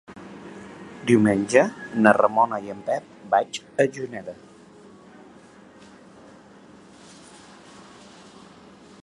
Diumenge na Ramona i en Pep vaig a Juneda.